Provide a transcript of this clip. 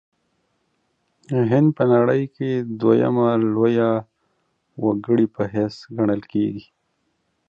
هند په نړۍ کې دویمه لویه وګړې په حیث ګڼل کیږي.